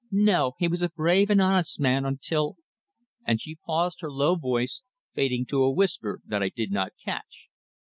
"No. He was a brave and honest man until " and she paused, her low voice fading to a whisper that I did not catch.